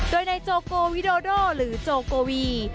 โดยนายโจโกวิโดโดหรือโจโกวี